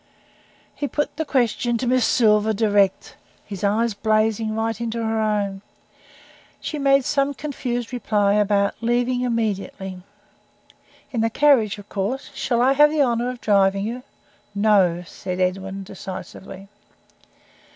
He put the question to Miss Silver direct his eyes blazing right into her own. She made some confused reply, about "leaving immediately." "In the carriage, of course? Shall I have the honour of driving you?" "No," said Edwin, decisively.